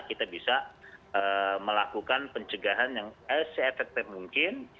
kita bisa melakukan pencegahan yang se efektif mungkin